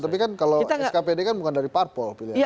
tapi kan kalau skpd kan bukan dari parpo pilihannya